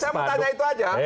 saya mau tanya itu aja